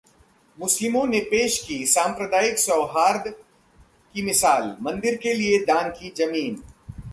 मुस्लिमों ने पेश की सांप्रदायिक सौहार्द की मिसाल, मंदिर के लिए दान की जमीन